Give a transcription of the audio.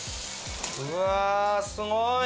うわあすごい。